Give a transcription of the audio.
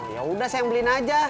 yaudah saya beliin aja